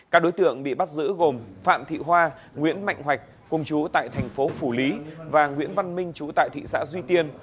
các đối tượng bị bắt giữ gồm phạm thị hoa nguyễn mạnh cùng chú tại thành phố phủ lý và nguyễn văn minh chú tại thị xã duy tiên